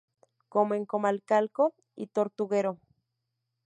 Como en Comalcalco y Tortuguero.